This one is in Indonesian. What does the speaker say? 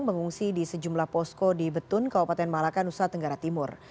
mengungsi di sejumlah posko di betun kabupaten malaka nusa tenggara timur